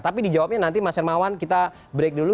tapi dijawabnya nanti mas hermawan kita break dulu